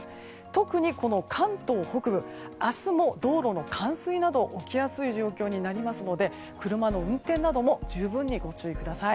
特に、関東北部明日も道路の冠水など起きやすい状況になりますので車の運転なども十分にご注意ください。